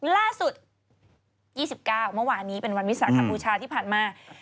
ล่าสุด๒๙เมื่อวานนี้เป็นวันวิสาขบูชาที่ผ่านมา